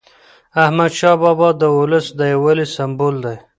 احمدشاه بابا د ولس د یووالي سمبول دی.